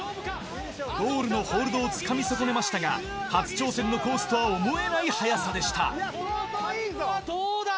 ゴールのホールドをつかみ損ねましたが、初挑戦のコースとは思えどうだ？